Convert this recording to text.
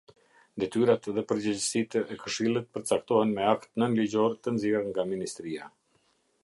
Detyrat dhe përgjegjësitë e Këshillit përcaktohen me akt nënligjor të nxjerrë nga Ministria.